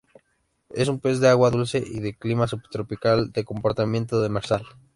Es un pez de agua dulce y de clima subtropical, de comportamiento demersal.